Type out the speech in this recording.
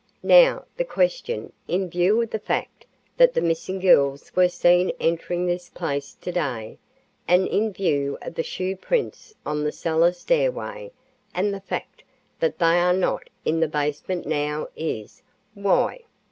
Now, the question, in view of the fact that the missing girls were seen entering this place today and in view of the shoe prints on the cellar stairway and the fact that they are not in the basement now is, Why?"